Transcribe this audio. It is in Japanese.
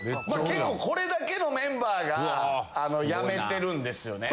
結構これだけのメンバーが辞めてるんですよね。